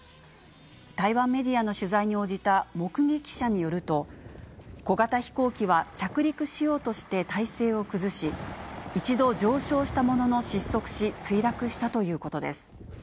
台湾メディアの取材に応じた目撃者によると、小型飛行機は着陸しようとして体勢を崩し、一度、上昇したものの失速し、墜落したということです。